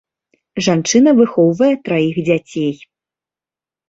Жанчына выхоўвае траіх дзяцей.